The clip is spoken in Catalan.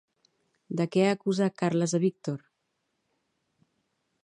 De què acusà Carles a Víctor?